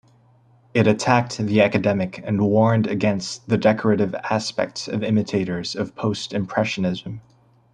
It attacked the academic and warned against the 'decorative' aspect of imitators of Post-Impressionism.